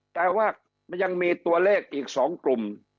แต่ว่ามันยังมีตัวเลขอีก๒กลุ่ม